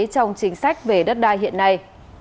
trong chính sách về đất đai hiện nay